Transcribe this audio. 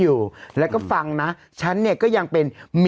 คุณแม่ของคุณแม่ของคุณแม่ของคุณแม่